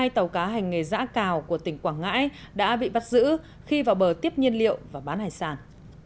hai tàu cá hành nghề giã cào của tỉnh quảng ngãi đã bị bắt giữ khi vào bờ tiếp nhiên liệu và bán hải sản